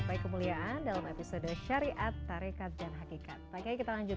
pembahasan kita masih akan berlanjut